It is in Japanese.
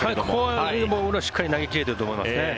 ここはボールをしっかり投げ切れていると思いますね。